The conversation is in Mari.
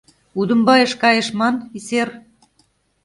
Удымбайыш кайыш ман, исер!